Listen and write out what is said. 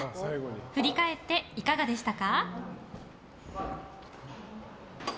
振り返っていかがでしたか？